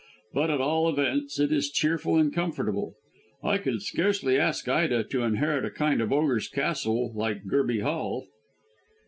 But, at all events, it is cheerful and comfortable. I could scarcely ask Ida to inherit a kind of Ogre's Castle like Gerby Hall."